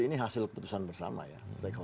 ini hasil putusan bersama ya